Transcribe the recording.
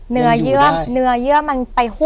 เนื้อเยื่อเนื้อเยื่อมันไปหุบ